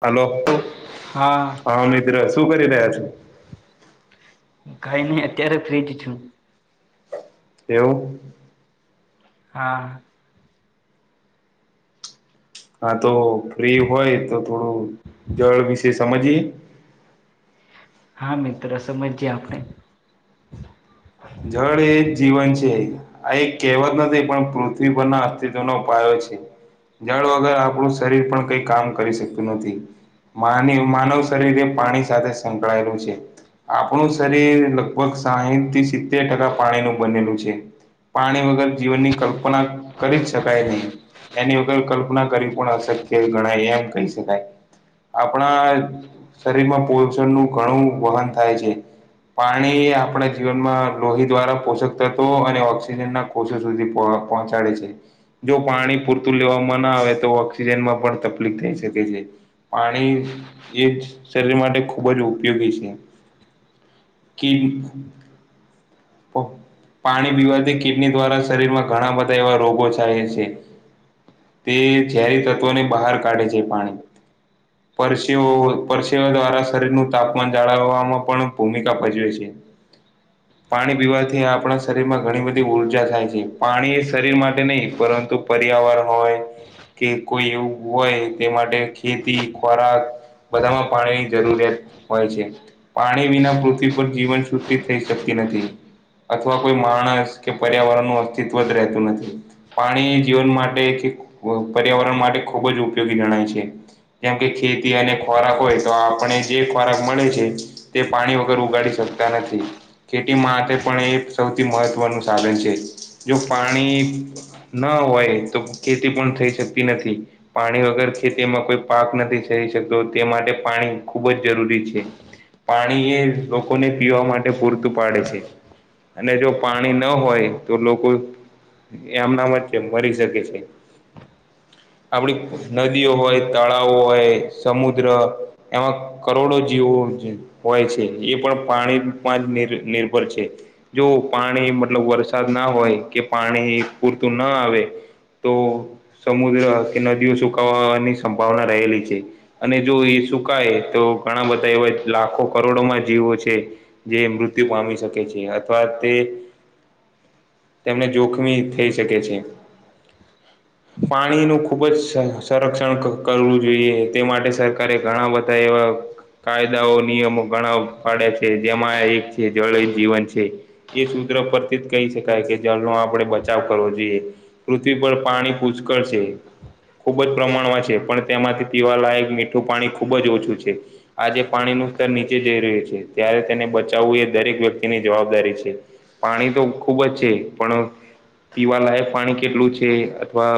Hello. તો હા. હા મિત્ર શું કરી રહ્યા છો. કાઈ નઈ અત્યારે ફ્રીજ છું. તેવુ હા. હા તો ફ્રી હોય તો થોડું જળ વિશે સમજીએ. હા મિત્ર સમજીએ આપણે જળ એ જ જીવન છે. આ એ કહેવત નથી પણ પૃથ્વી પરના અસ્તિત્વનો પાયો છે. જલ વગર આપણું શરીર પણ કઈ કામ કરી શક્તું નથી. માન માનવ શરીર એ પાણી સાથે સંકળાયેલું છે. આપણું શરીર લગભગ સાહીઠ થી સિત્તેર ટકા પાણીનું બનેલું છે. પાણી વગર જીવનની કલ્પના કરી જ શકાય નહી. એની વગર કલ્પના કરી પણ અશક્ય ગણાય એમ કહી શકાય. આપણા શરીરમાં પોષણ નું ઘણું વહન થાય છે પાણી આપણા જીવનમાં લોહી દ્વારા પોષક તત્વ અને ઓક્સિજન ના કોષો સુધી પહોંચાડે છે. જો પાણી પૂરતું લેવામાં ના આવે તો ઓક્સિજનમાં પણ તકલીફ થઈ શકે છે. પાણી એ જ શરીર માટે ખુબ જ ઉપયોગી છે. કે વીક પાણી પીવાથી કિડની દ્વારા શરીરમાં ઘણા બધા એવા રોગો થાય છે. તે ઝેરી તત્વોને બહાર કાઢે છે પાણીમાંથી પરસેવો પરસેવોઓ દ્વારા શરીરનું તાપમાન જાળવવામાં પણ ભૂમિકા ભજવે છે. પાણી પીવાથી આપણા શરીરમાં ઘણી બધી ઉર્જા થાય છે પાણી એ શરીર માટે નહીં પરંતુ પર્યાવરણ હોય કે કોઈ એવું હોય તે માટે ખેતી ખોરાક બધામાં પાણીની જરૂરિયાત હોય છે પાણી વિના પૃથ્વી પર જીવન સૃષ્ટિ થઈ શકે કે નથી અથવા કોઈ માણસ કે પર્યાવરણ નું અસ્તિત્વ જ રહેતું નથી. પાણી જીવન માટે કે પર્યાવરણ માટે ખૂબ જ ઉપયોગી જણાય છે જેમ કે ખેતી અને ખોરાક હોય તો આપણે જે ખોરાક મળે છે. તે પાણી વગર ઉગાડી શકતા નથી. ખેતી માટે પણ એ સૌથી મહત્વનું સાધન છે જો પાણી ના હોય તો ખેતી પણ થઈ શકતી નથી. પાણી વગર ખેતીમાં કોઈ પાક નથી થઈ શકતો તે માટે પાણી ખૂબ જ જરૂરી છે. પાણી એ લોકોને પીવા માટે પૂરતું પાડે છે અને જો પાણી ન હોય તો લોકો એમ ના વ છે મરી શકે છે. આપડી નદીઓ હોય તળાવ હોય સમુદ્ર એમાં કરોડો જીવો હોય છે એ પણ પાણી માલ નિર્ભર છે જો પાણી મતલબ વરસાદ ના હોય કે પાણી પૂરતું ના આવે તો સમુદ્ર કે નદીઓ સુકવાની સંભાવના રહેલી છે અને જો એ સુકાય તો ઘણા બધા એવા લાખો કરોડોમાં જીવો છે જે મૃત્યુ પામી શકે છે અથવા તે તેમને જોખમી થઈ શકે છે. પાણી ન ખુબ જ સંરક્ષણ કરવું જોઈએ તે માટે સરકારે ઘણા બધા એવા કાયદાઓ નિયમો ઘણા પાાડ્યા છે. જેમાં એક છે જળ જીવન છે. એ સૂત્ર પરથી જ કહી શકાય કે જળનો આપણે બચાવ કરવો જોઈએ પૃથ્વી પર પાણી પૂચ્કળ છે. ખૂબ જ પ્રમાણમાં છે પણ તેમાંથી પીવાલાયક મીઠું પાણી ખૂબ જ ઓછું છે આજે પાણી ન સ્તર નીચે જઈ રહ્યું છે ત્યારે તેને બચાવવું એ દરેક વ્યક્તિની જવાબદારી છે પાણી તો ખૂબ જ છે પણ પીવાલાયક પાણી કેટલું છે અથવા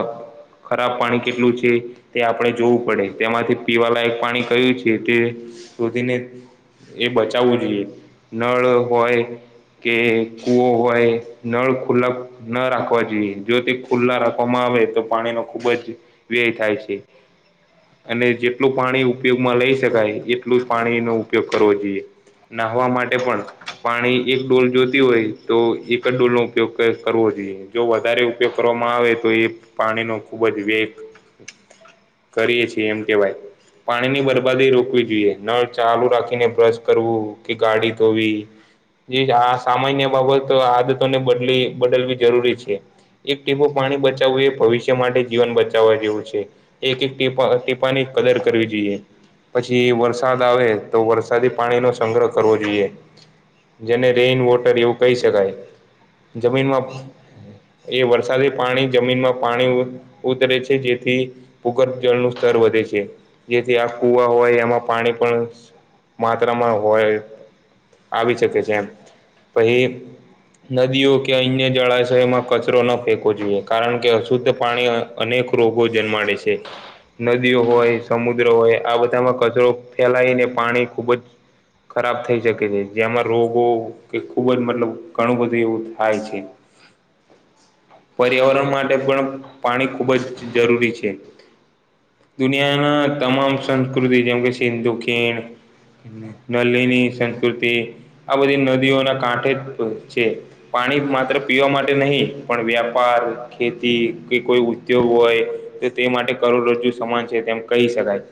ખરાબ પાણી કેટલું છે તે આપણે જોવું પડે તેમાંથી પીવાલા એક પાણી કય્યું છે તે શોધીને એ બચાવવું જોઈએ નળ હોય કે કૂવો હોય નળ ખુલક ના રાખવા જોઈએ જો તે ખુલ્લા રાખવામાં આવે તો પાણી ન ખુબ જ વ્યય થાય છે અને જેટલું પાણી ઉપયોગમાં લઈ શકાય એટલું જ પાણીનો ઉપયોગ કરવો જોઈએ નહવા માટે પણ પાણી એક ડોલ જોતી હોય તો એક જ ડોલ નો ઉપયોગ કરવો જોઈએ જો વધારે ઉપયોગ કરવામાં આવે તો એ પાણીનો ખૂબ જ વેસ્ટ કરીએ છીએ એમ કેવાય પાણી ની બરબાદી રોકવી જોઈએ નળ ચાલુ રાખીને બ્રશ કરવું કે ગાડી તો ભી જી આ સામાન્ય બાબત આદતોને બદલી બદલવી જરૂરી છે એક ટટેબો પાણી બચાવવું એ ભવિષ્ય માટે જીવન બચાવવા જેવું છે. એક એક ટીપા ટીપાની કદર કરવી જોઈએ પછી વરસાદ આવે તો વરસાદી પાણી નો સંગ્રહ કરવો જોઈએ જેને રેઈન વોટર એવું કહી શકાય જમીનમાં એ વરસાદી પાણી જમીન માં પાણી ઉતરે છે જેથી ભૂગ જળનું સ્તર વધે છે જેથી આ કુવા હોય એમાં પાણી પણ માત્રામાં હોય આવી શકે છે પછી નદીઓ કે અન્ય જળાશયોમાં કચરો ન ફેંવો જોઈએ કારણ કે અશુદ્ધ પાણી અનેક રોગો જન્માડે છે. નદીઓ હોય સમુદ્ર હોય આ બધામાં કચરો ફેલાઈને પાણી ખૂબ જ ખરાબ થઈ શકે છે જેમાં રોગો કે ખૂબ જ મતલબ ઘણું બધું એવું થાય છે. હ પર્યાવરણ માટે પણ પાણી ખૂબ જ જરૂરી છે. દુનિયાના તમામ સંસ્કૃતિ જેમ કે સિંધુ ખીણ નલીની સંસ્કૃતિ આ બધી નદીઓના કાંઠે જ છે પાણી માત્ર પીવા માટે નહીં પણ વ્યાપાર ખેતી કે કોઈ ઉદ્યોગ હોય તો તે માટે કરોડરોજુ સમાન છે તેમ કહી શકાય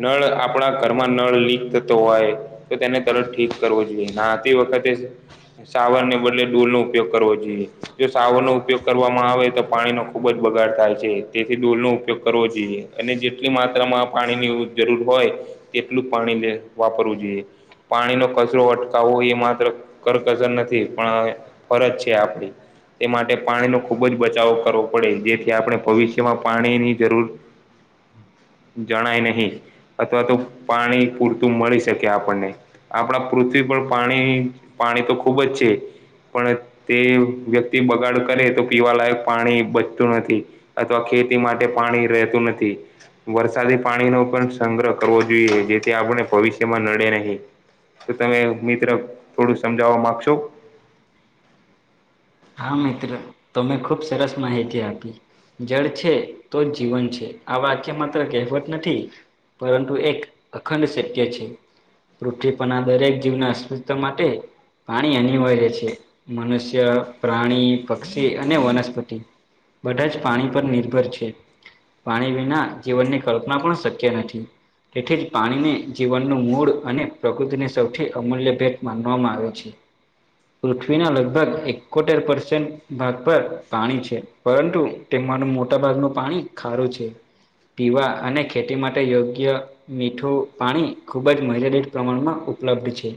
નળ આપણા ઘરમાં નળ લીક થતો હોય તો તેને તરત ઠીક કરવો જોઈએ નાતી વખતે સાવર ને બદલે ડોલ નો ઉપયોગ કરવો જોઈએ. જો સાવરનો ઉપયોગ કરવામાં આવે તો પાણીનો ખુબ જ બગાડ થાય છે તેથી ડોલ નો ઉપયોગ કરવો જોઈએ. અને જેટલી માત્રામાં પાણીની જરૂર હોય તેટલું પાણી વાપરવું જોઈએ. પાણીનો કચરો અટકાવવો એ માત્ર કરકસર નથી પણ ફરજ છે આપડી તે માટે પાણીનો ખૂબ જ બચાવો કરવો પડે જેથી આપણે ભવિષ્યમાં પાણીની જરૂર જણાય નહી અથવા તો પાણી પૂરતું મળી શકે આપણને આપણા પૃથ્વી પર પાણી પાણી તો ખુબ જ છે. પણ તે વ્યક્તિ બગાડ કરે તો પીવાલાયક પાણી બચતું નથી. અથવા ખેતી માટે પાણી રહેતું નથી વરસાદી પાણી નો પણ સંગ્રહ કરવો જોઈએ. જોઈએ જેથી આપણે ભવિષ્યમાં નડે નહીં. તો તમે મિત્ર થોડું સમજાવવા માંગશો. હા મિત્ર તમે ખુબ સરસ માહિતી આપી. જળ છે તો જ જીવન છે આ વાકય માત્ર કહેવત નથી. પરંતુ એક અખંડ સત્ય છે. પૃથ્વી પરના દરેક જીવના અસ્તિત્વ માટે પાણી અનિવાર્ય છે મનુષ્ય પ્રાણી પક્ષી અને વનસ્પતિ બધા જ પાણી પર નિર્ભર છે. પાણી વિના જીવનની કલ્પના પણ શક્ય નથી. તેથી જ પાણીને જીવનનું મૂળ અને પ્રકૃતિને સૌથી અમૂલ્ય ભેટ માનવામાં આવે છે. પૃથ્વીના લગભગ એક કોતેર પર્સેન્ટ ભાગ પર પાણી છે, પરંતુ તેમાં મોટા ભાગનું પાણી ખારું છે પીવા અને ખેતી માટે યોગ્ય મીઠું પાણી ખૂબ જ મર્યાદિત પ્રમાણમાં ઉપલબ્ધ છે.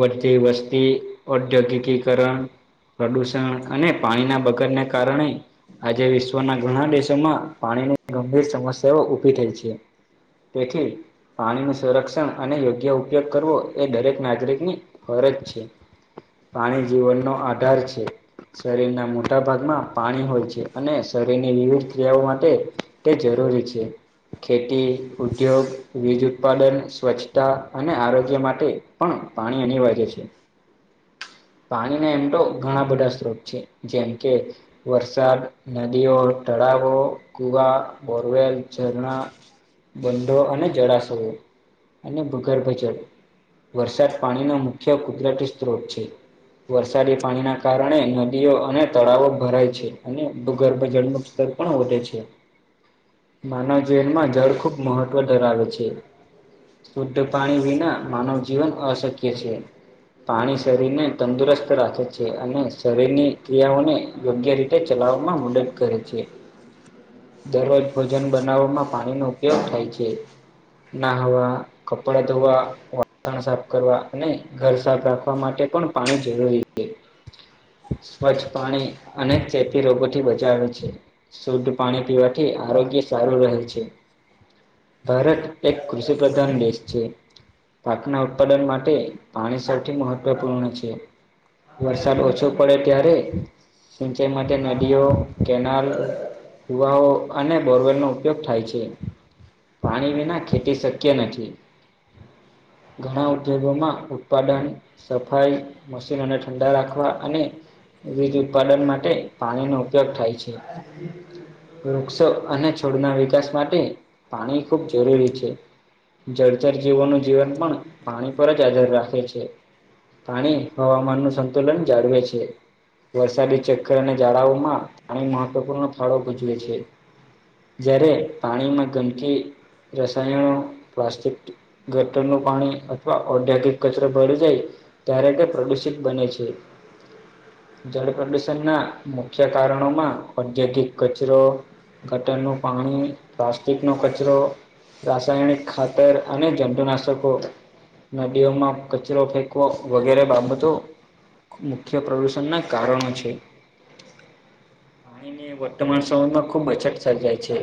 વધતી વસ્તી ઔદ્યોગિકીકરણ પ્રદૂષણ અને પાણીના બગાડને કારણે આજે વિશ્વના ઘણા દેશોમાં પાણીની ગંભીર સમસ્યાઓ ઊભી થઈ છે. તેથી પાણીનું સંરક્ષણ અને યોગ્ય ઉપયોગ કરવો એ દરેક નાગરિકની ફરજ છે. પાણી જીવનનો આધાર છે. શરીરના મોટા ભાગમાં પાણી હોય છે અને શરીરની વિવિધ ક્રિયાઓ માટે તે જરૂરી છે. ખેતી, ઉદ્યોગ, વીજ ઉત્પાદન, સ્વચ્છતા અને આરોગ્ય માટે પણ પાણી અનિવાર્ય છે. પાણીના એમ તો ઘણા બધા સ્ત્રોત છે જેમ કે વરસાદ, નદીઓ, તળાવો, કુવા, બોરવેલ, ઝરણા બંંધો અને જળાશયો અને ભૂગર્ભ જળ. વરસાદ પાણીનો મુખ્ય કુદરતી સ્ત્રોત છે. વરસાદી પાણી ના કારણે નદીઓ અને તળાવો ભરાય છે અને ભૂગર્ભ જળનું જળ પણ વધે છે. [inaudible] માનવ જીવનમાં જળ ખુબ મહત્વ ધરાવે છે. શુદ્ધ પાણી વિના માનવ જીવન અશક્ય છે. પાણી શરીર ને તંદુરસ્ત રાખે છે, અને શરીરની ક્રિયાઓને યોગ્ય રી એ ચલાવવામાં મદદ કરે છે. [inaudible] દરરોજ ભોજન બનાવવામાં પાણીનો ઉપયોગ થાય છે. નાહવા, કપડા ધોવા વાસણ સાફ કરવા અને ઘર સાધારણ [unintelligible] માટે પણ પાણી જરૂરી છે. સ્વચ્છ પાણી અને ચેપી રોગોથી બચાવે છે. શુદ્ધ પાણી પીવાથી આરોગ્ય સારું રહે છે. ભારત એક કૃષિ પ્રધાન દેશ છે. પાકના ઉત્પાદન માટે પાણી સૌથી મહત્વપૂર્ણ છે. વરસાદ ઓછો પડે ત્યારે સિંચાઈ માટે નદીઓ, કેનાલ કુવાઓ અને બોરવેલ નો ઉપયોગ થાય છે. પાણી વિના ખેતી શક્ય નથી. ઘણા ઉદ્યોગોમાં ઉત્પાદન સફાઈ, મશીનોને ઠંડા રાખવા અને વીજ ઉત્પાદન માટે પાણીનો ઉપયોગ થાય છે. વૃક્ષો અને છોડના વિકાસ માટે પાણી ખૂબ જરૂરી છે. જળચર જીવોનું જીવન પણ પાણી પર જ આધર રાખે છે. પાણી હવામાન નું સંતુલન જાળવે છે. વરસાદી ચક્રને જાળવવામાં પાણી મહત્વપૂર્ણ ફાળો ભજવે છે. જ્યારે પાણીમાં ગંદકી, રસાયણો, પ્લાસ્ટિક ગટર નું પાણી અથવા ઔદ્યોગિક કચરો ભળી જાય ત્યારે તે પ્રદુષિત બને છે. જળ પ્રદૂષણના મુખ્ય કારણોમાં ઔદ્યોગિક કચરો, ગટર નું પાણી, પ્લાસ્ટિક નો કચરો રાસાયણિક ખાતર અને જંતુનાશકો નદીઓમાં કચરો ફેંકી વગેરે બાબતો મુખ્ય પ્રદૂષણના કારણો છે. પાણી ની વર્તમાન સમયમાં ખુબ અછત સર્જાય છે.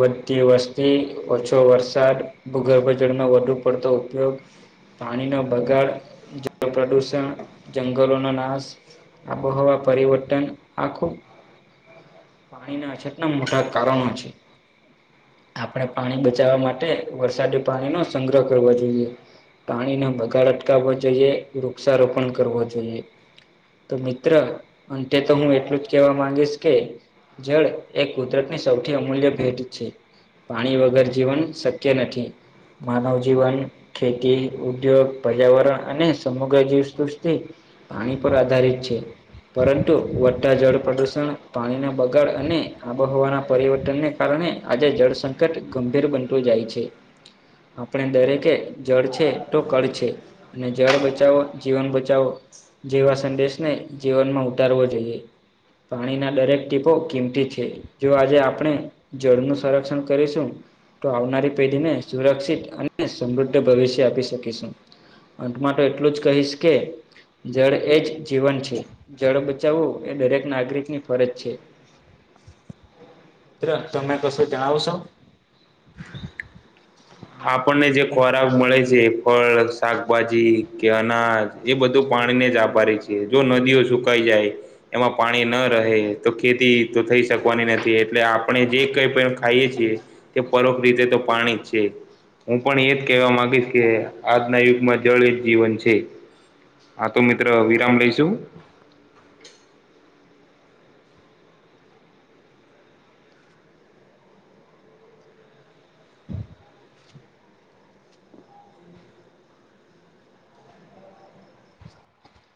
વધતી વસ્તી, ઓછો વરસાદ, ભૂગર્ભ જળનો વધુ પડતો ઉપયોગ પાણીનો બગાડ, જળ પ્રદૂષણ, જંગલોનો નાશ આબોહવા પરિવર્તન આ ખુબ પાણી ના અછત ના મોટા કારણો છે. આપણે પાણી બચાવવા માટે વરસાદી પાણીનો સંગ્રહ કરવો જોઈએ. પાણીનો બગાડ અટકાવવો જોઈએ. વૃક્ષારોપણ કરવો જોઈએ. તો મિત્ર અંતે તો હું એટલું જ કેવા માંગીશ કે જળ એ કુદરતની સૌથી અમૂલ્ય ભેટ છે પાણી વગર જીવન શક્ય નથી. માનવ જીવન, ખેતી ઉદ્યોગ, પર્યાવરણ અને સમગ્ર જીવસૃષ્ટિ પાણી પર આધારિત છે. પરંતુ વધતાા જળ પ્રદુષણ પાણીના બગાડ અને આબોહવાના પરિવર્તનને કારણે આજે જળ સંંકટ ગંભીર બનતું જાય છે. આપણે દરેકે જળ છે તો કળ છે. અને જળ બચાવો, જીવન બચાવો. જેવા સંદેશ ને જીવનમાં ઉતારવો જોઈએ પાણીના દરેક ટીપો કિંમતી છે. જો આજે આપણે જળનું સંરક્ષણ કરીશું, તો આવનારી પેઢી ને સુરક્ષિત અને સમૃદ્ધ ભવિષ્ય આપી શકીશું. અંતમાં તો એટલું જ કહીશ કે જળ એ જ જીવન છે જળ બધી બચાવવું એ દરેક નાગરિકની ફરજ છે. ત્ર તમે કશું જાણો સો? આપણને જે ખોરાક મળે છે, ફળ શાકભાજી કે અનાજ એ બધું પાણીને જ આભારી છે, જો નદીઓ સુકાઈ જાય એમાં પાણી ન રહે તો ખેતી તો થઈ શકવાની નથી. એટલે આપણે જે કઈ પણ ખાઈએ છીએ તે પરોપ રીતે તો પાણી જ છે. હું પણ એજ કહેવા માંગીશ કે આજના યુગમાં જળ એ જીવન છે. હા તો મિત્ર વિરામ લઈશું?